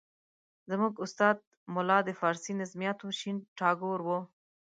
زموږ استاد ملا د فارسي د نظمیاتو شین ټاګور وو.